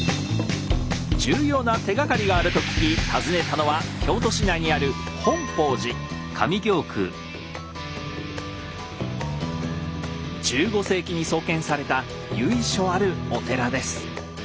重要な手がかりがあると聞き訪ねたのは京都市内にある１５世紀に創建された由緒あるお寺です。